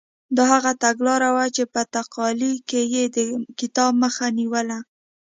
دا هغه تګلاره وه چې په تقالي کې یې د کتاب مخه نیوله.